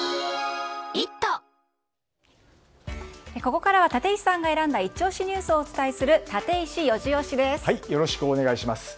ここからは立石さんが選んだイチ推しニュースをお伝えするよろしくお願いします。